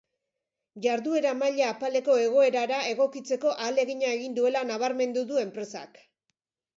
Jarduera maila apaleko egoerara egokitzeko ahalegina egin duela nabarmendu du enpresak.